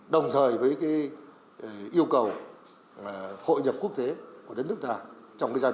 đồng thời với yêu cầu hội nhập quốc tế của đất nước ta trong giai đoạn mới